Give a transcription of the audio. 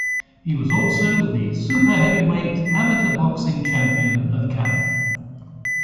He was also the super heavyweight amateur boxing champion of Canada.